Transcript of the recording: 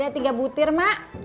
ada tiga butir mak